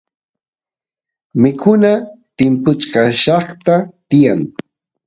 mikuna timpuchkaqllata tiyan